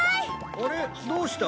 あれどうした？